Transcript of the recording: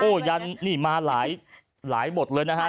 โอ้ยันต์นี่มาหลายหมดเลยนะฮะ